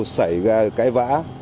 xảy ra cái vã